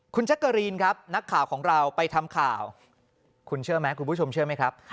คุณแจ๊กกะรีนครับนักข่าวของเราไปทำข่าวคุณเชื่อไหมคุณผู้ชมเชื่อไหมครับ